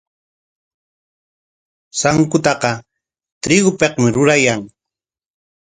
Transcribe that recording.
Sankutaqa trigopikmi rurayan.